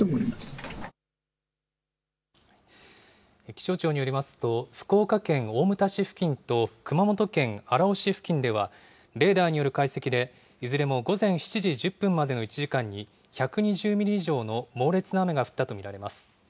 気象庁によりますと、福岡県大牟田市付近と、熊本県荒尾市付近では、レーダーによる解析で、いずれも午前７時１０分までの１時間に、１２０ミリ以上の猛烈な雨が降ったと見られます。